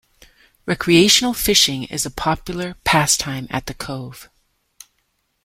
Recreational fishing is a popular pastime at the cove.